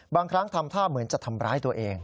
บางครั้งทำท่าเหมือนจะทำร้ายตัวเอง